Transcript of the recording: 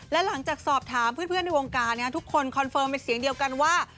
และหลังจากสอบถามเพื่อนในวงการทุกคนคอนเฟิร์มเป็นเสียงเดียวกันว่า